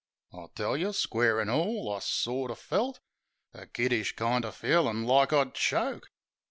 I tell yeh, square an' all. I sorter felt A kiddish kind o' feelin' like I'd choke